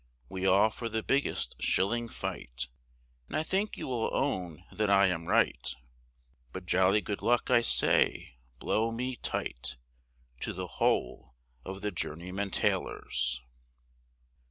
We all for the biggest shilling fight, And I think you will own that I am right, But jolly good luck I say, blow me tight, To the whole of the Journeymen Tailors.